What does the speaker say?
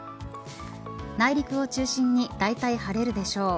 内陸を中心にだいたい晴れるでしょう。